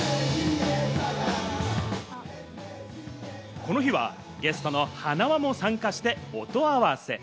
この日はゲストのはなわも参加して音合わせ。